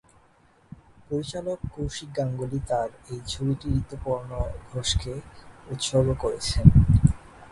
পরিচালক কৌশিক গাঙ্গুলি তার এই ছবিটি ঋতুপর্ণ ঘোষকে উৎসর্গ করেছেন।